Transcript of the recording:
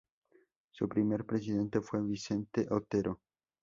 Su primer presidente fue Vicente Otero.